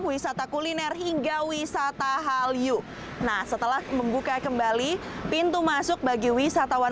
wisata kuliner hingga wisata hallyu nah setelah membuka kembali pintu masuk bagi wisatawan